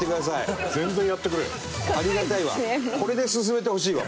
これで進めてほしいわ。